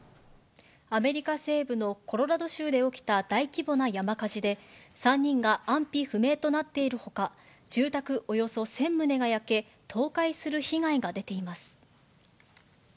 アメリカ西部のコロラド州で起きた大規模な山火事で、３人が安否不明となっているほか、住宅およそ１０００棟が焼け、倒壊する被害が出ています。